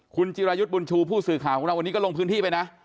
คุณจิรายุทธ์บุญชูผู้สื่อข่าวของเราวันนี้ก็ลงพื้นที่ไปนะ